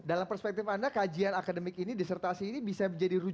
dalam perspektif anda kajian akademik ini disertasi ini bisa menjadi rujukan